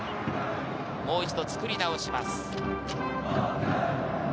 もう一度作り直します。